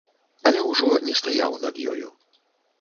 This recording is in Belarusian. Але ўжо не стаяў над ёю.